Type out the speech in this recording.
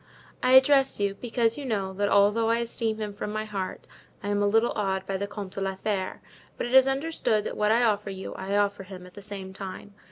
"I address you, because you know, that although I esteem him from my heart I am a little awed by the Comte de la Fere; but it is understood that what I offer you I offer him at the same time.